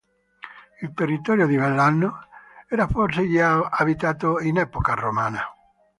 Il territorio di Bellano era forse già abitato in epoca romana.